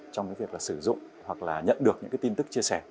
trong việc sử dụng hoặc là nhận được những tin tức chia sẻ